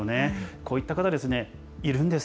こういった方、いるんです。